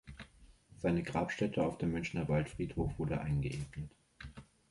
Seine Grabstätte auf dem Münchner Waldfriedhof wurde eingeebnet.